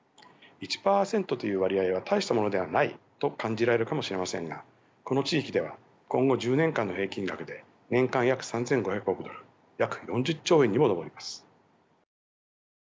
１％という割合は大したものではないと感じられるかもしれませんがこの地域では今後１０年間の平均額で年間約３，５００億ドル約４０兆円にも上ります。